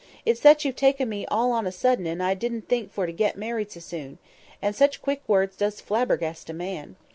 "It's that you've taken me all on a sudden, and I didn't think for to get married so soon—and such quick words does flabbergast a man.